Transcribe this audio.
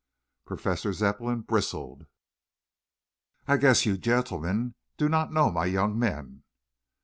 Professor Zepplin bristled. "I guess you gentlemen do not know my young men."